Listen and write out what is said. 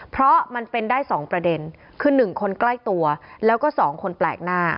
เพราะมันเป็นได้๒ประเด็นคือ๑คนใกล้ตัวแล้วก็๒คนแปลกหน้า